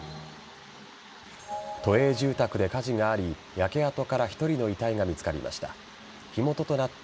都営住宅で火事があり焼け跡から１人の遺体が見つかりました。